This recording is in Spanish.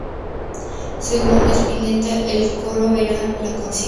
Según Spinetta el coro era la conciencia.